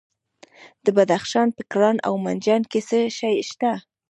د بدخشان په کران او منجان کې څه شی شته؟